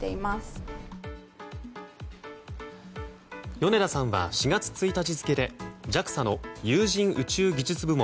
米田さんは、４月１日付でＪＡＸＡの有人宇宙技術部門